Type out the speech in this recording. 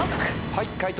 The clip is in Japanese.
はい解答